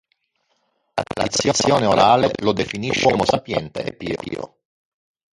La tradizione orale lo definisce uomo sapiente e pio.